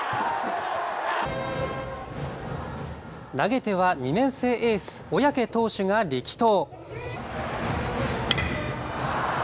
投げては２年生エース、小宅投手が力投。